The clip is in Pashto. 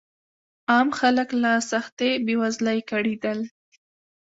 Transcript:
عام خلک له سختې بېوزلۍ کړېدل.